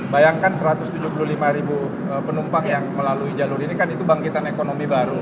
bayangkan satu ratus tujuh puluh lima ribu penumpang yang melalui jalur ini kan itu bangkitan ekonomi baru